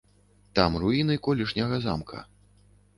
Там руіны колішняга замка.